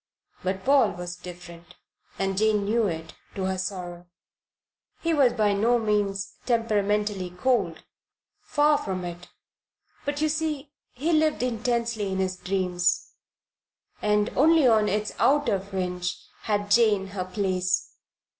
But Paul was different, and Jane knew it, to her sorrow. He was by no means temperamentally cold; far from it. But, you see, he lived intensely in his dream, and only on its outer fringe had Jane her place.